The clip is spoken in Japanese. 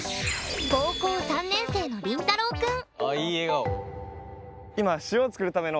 高校３年生のりんたろうくん。